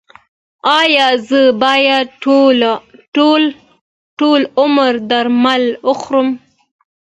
ایا زه باید ټول عمر درمل وخورم؟